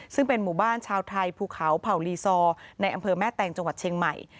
ซึ่งเป็นหมู่บ้านชาวไทยภูเขาเผ่าลีซอร์ในอำเภอแม่แตงจังหวัดเชียงใหม่